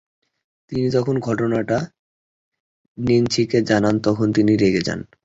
তিনি যখন ঘটনাটা ন্যান্সিকে জানান, তখন তিনিও রেগে যান।